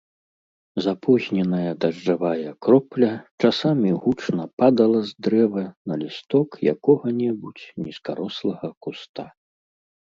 Запозненая дажджавая кропля часамі гучна падала з дрэва на лісток якога-небудзь нізкарослага куста.